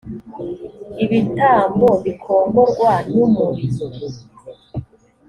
ibitambo bikongorwa n umuri